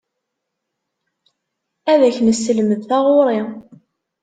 Ad ak-nesselmed taɣuri.